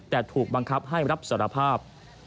แต่ถูกบังคับให้รับสารภาพ